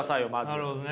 なるほどね。